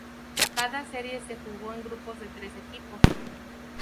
Cada serie se jugó en grupos de tres equipos.